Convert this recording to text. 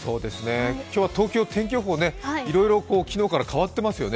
今日は東京、天気予報昨日から変わってますね。